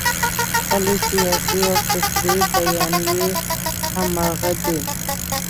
خپلې سیاسي او فکري بیانیې همغه دي.